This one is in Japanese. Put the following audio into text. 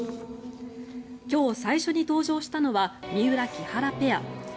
今日、最初に登場したのは三浦・木原ペア。